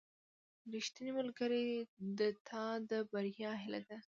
• ریښتینی ملګری د تا د بریا هیله لري.